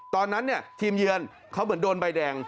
ตอนนั้นเนี่ยทีมเยือนเขาเหมือนโดนใบแดง